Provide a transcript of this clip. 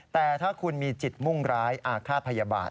แต่ถ้าคุณมีจิตมุ่งร้ายอาฆาตพยาบาล